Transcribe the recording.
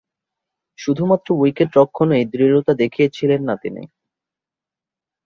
শুধুমাত্র উইকেট-রক্ষণেই দৃঢ়তা দেখিয়েছিলেন না তিনি।